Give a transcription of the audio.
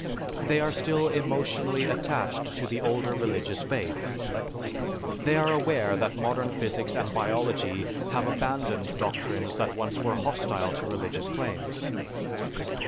They are still emotionally attached to the older religious faith. They are aware that modern physics and biology have abandoned doctrines that once were hostile to religious claims.